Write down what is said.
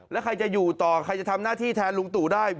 แล้วใครจะอยู่ต่อใครจะทำหน้าที่แทนลุงตู่ได้